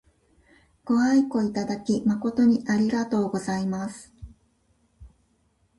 ご愛顧いただき誠にありがとうございます。